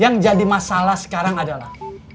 yang jadi masalah sekarang adalah